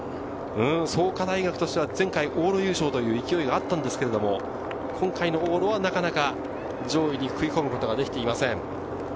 創価大学としては前回、往路優勝という勢いがあったんですけど、今回の往路はなかなか上位に食い込むことができていません。